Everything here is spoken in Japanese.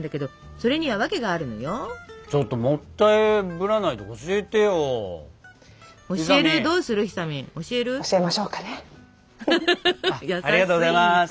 ありがとうございます。